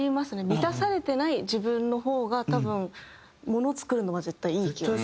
満たされてない自分の方が多分ものを作るのは絶対いい気がします。